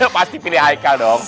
pasti pilih haikal dong